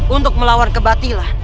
untuk melawan kebatilan